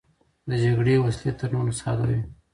د جګړې وسلې تر نورو ساده وې.